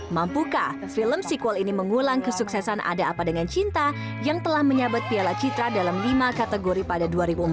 mampukah film sequel ini mengulang kesuksesan ada apa dengan cinta yang telah menyabet piala citra dalam lima kategori pada dua ribu empat